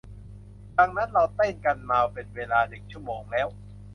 ดังนั้นเราเต้นกันมาเป็นเวลาหนึ่งชั่วโมงแล้ว